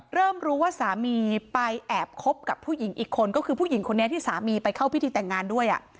เริ่มรู้ว่าสามีไปแอบคบกับผู้หญิงอีกคนก็คือผู้หญิงคนนี้ที่สามีไปเข้าพิธีแต่งงานด้วย